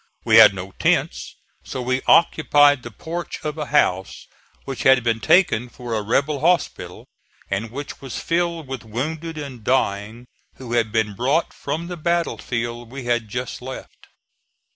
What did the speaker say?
We had no tents, so we occupied the porch of a house which had been taken for a rebel hospital and which was filled with wounded and dying who had been brought from the battle field we had just left.